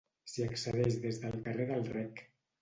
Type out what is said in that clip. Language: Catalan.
S'hi accedeix des del carrer del Rec.